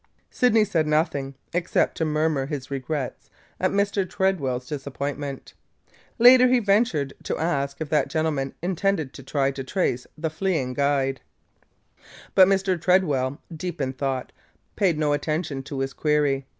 Sydney said nothing, except to murmur his regrets at Mr. Tredwell's disappointment. Later he ventured to ask if that gentleman intended to try to trace the fleeing guide. But Mr. Tredwell, deep in thought, paid no attention to his query.